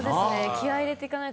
気合入れて行かないと。